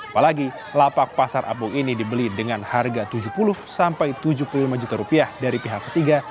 apalagi lapak pasar apung ini dibeli dengan harga tujuh puluh sampai tujuh puluh lima juta rupiah dari pihak ketiga